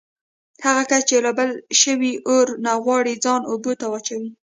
هغه کس چې له بل شوي اور نه غواړي ځان اوبو ته واچوي.